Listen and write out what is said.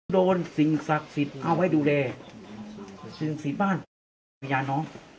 สิ่งศักดิ์สิทธิ์เอาไว้ดูแลสิ่งสิทธิ์บ้านพญาน้อง